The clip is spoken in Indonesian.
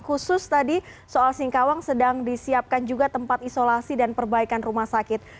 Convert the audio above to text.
khusus tadi soal singkawang sedang disiapkan juga tempat isolasi dan perbaikan rumah sakit